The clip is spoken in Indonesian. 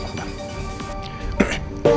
nih andien juga telpon